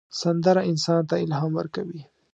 سندره انسان ته الهام ورکوي